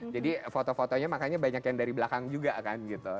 jadi foto fotonya makanya banyak yang dari belakang juga kan gitu